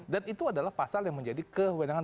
dan itu adalah pasal yang menjadi kewenangan